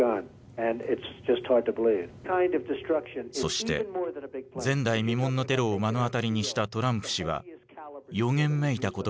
そして前代未聞のテロを目の当たりにしたトランプ氏は予言めいた言葉を口にした。